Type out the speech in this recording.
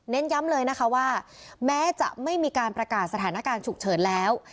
ย้ำเลยนะคะว่าแม้จะไม่มีการประกาศสถานการณ์ฉุกเฉินแล้ว